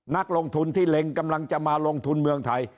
นักลงทุนที่เล็งกำลังจะมาลงทุนเมืองไทย